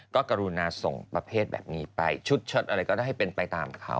ก็กรุณาส่งประเภทแบบนี้ไปชุดเชิดอะไรก็ได้ให้เป็นไปตามเขา